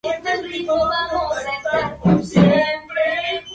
Los partos llegaron al monte Carmelo, donde Antígono concentraba sus partidarios.